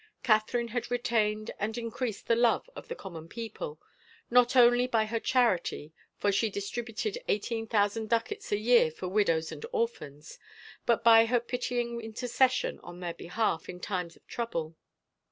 — Catherine had retained and increased the love of the common people, not only by her charity, for she distributed eighteen thou sand ducats a year for widows and orphans, but by her pitying intercession on their behalf in times of trouble.